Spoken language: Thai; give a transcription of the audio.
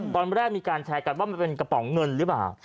ตอนแรกมีการแชร์กันว่ามันเป็นกระป๋องเงินหรือเปล่า